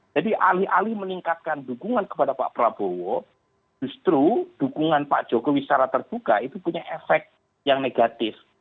jadi alih alih meningkatkan dukungan kepada pak prabowo justru dukungan pak jokowi secara terbuka itu punya efek yang negatif